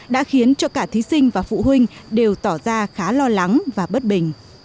đã khiến cho cả thí sinh và phụ huynh đều tỏ ra khá lo lắng và bất bình